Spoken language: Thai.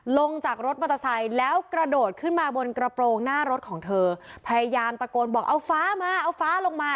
ลงจากรถมอเตอร์ไซค์แล้วกระโดดขึ้นมาบนกระโปรงหน้ารถของเธอพยายามตะโกนบอกเอาฟ้ามาเอาฟ้าลงมา